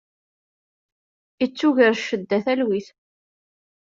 Ittuger ccedda talwit.